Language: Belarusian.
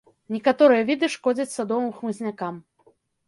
Некаторыя віды шкодзяць садовым хмызнякам.